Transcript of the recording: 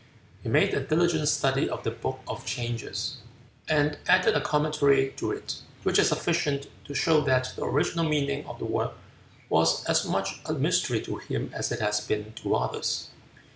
He made a diligent study of the Book of Changes, and added a commentary to it, which is sufficient to show that the original meaning of the work was as much a mystery to him as it has been to others.